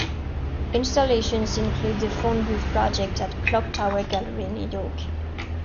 Installations include The Phone Booth Project at Clocktower Gallery in New York.